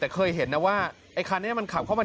แต่เคยเห็นนะว่าไอ้คันนี้มันขับเข้ามา